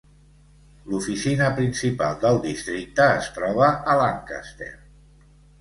L'oficina principal del districte es troba a Lancaster.